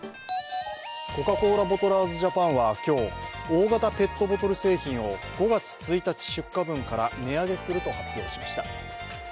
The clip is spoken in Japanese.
コカ・コーラボトラーズジャパンは今日、大型ペットボトル製品を５月１日出荷分から値上げすると発表しました。